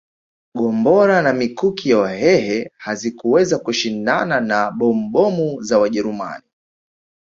Gombora na mikuki ya Wahehe hazikuweza kushindana na bombomu za Wajerumani